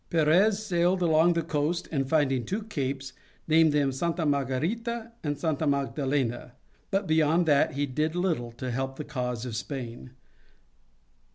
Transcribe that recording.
Perez sailed along the coast, and finding two capes, named them Santa Margarita and Santa Magdalena, but beyond that he did little to help the cause of Spain.